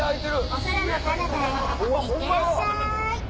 お空の彼方へいってらっしゃい！